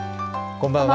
こんばんは。